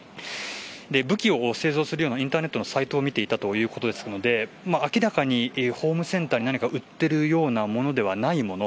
武器を製造するようなインターネットのサイトを見ていたということですので明らかにホームセンターに何か売っているようなものではないもの。